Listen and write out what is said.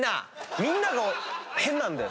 みんなが変なんだよ。